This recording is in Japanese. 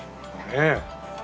ねえ。